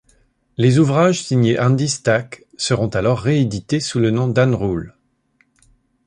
Les ouvrages signés Andy Stack seront alors réédités sous le nom d'Ann Rule.